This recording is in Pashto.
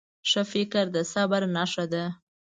ښه فکر د صبر نښه ده.